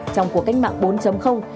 trong cuộc cách mạng bốn